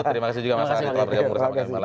terima kasih juga mas arief